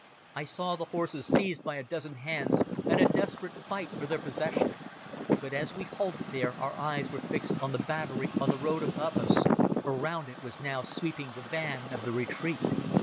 I saw the horses seized by a dozen hands, and a desperate fight for their possession. But as we halted there our eyes were fixed on the battery on the road above us, for round it was now sweeping the van of the retreat.